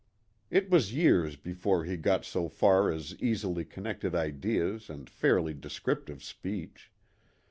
It was years before he got so far as easily connected ideas and fairly descriptive speech.